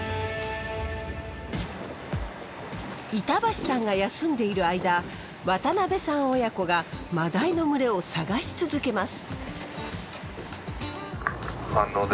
板橋さんが休んでいる間渡邊さん親子がマダイの群れを探し続けます。